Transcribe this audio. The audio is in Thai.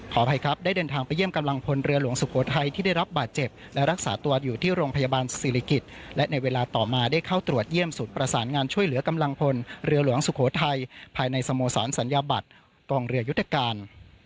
อภัยครับได้เดินทางไปเยี่ยมกำลังพลเรือหลวงสุโขทัยที่ได้รับบาดเจ็บและรักษาตัวอยู่ที่โรงพยาบาลศิริกิจและในเวลาต่อมาได้เข้าตรวจเยี่ยมศูนย์ประสานงานช่วยเหลือกำลังพลเรือหลวงสุโขทัยภายในสโมสรสัญญาบัตรกองเรือยุทธการ